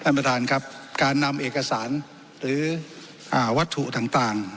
ท่านประธานครับการนำเอกสารหรือวัตถุต่าง